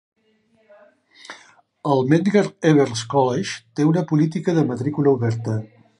El Medgar Evers College té una política de matrícula oberta.